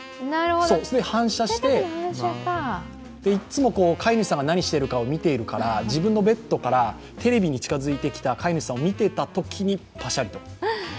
反射して、いつも飼い主さんが何しているかを見ているから自分のベッドからテレビに近づいてきた飼い主さんを見ていたときにパシャリと。